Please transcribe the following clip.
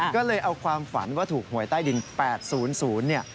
ก็เลยเอาความฝันว่าถูกหวยใต้ดิน๘๐๐เนี่ย